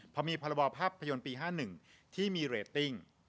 พอมีพรบภาพยนตร์ปี๕๑ที่มีเรตติ้ง